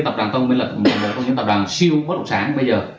tập đoàn tân minh lực là một trong những tập đoàn siêu bất lục sản bây giờ